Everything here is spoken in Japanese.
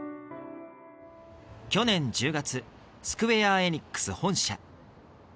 去年１０月スクウェア・エニックス本社